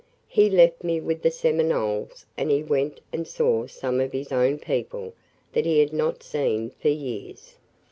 He left me with the Seminoles and he went and saw some of his own people that he had not seen for years.